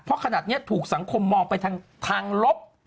เพราะขนาดนี้ถูกสังคมมองไปทางลบ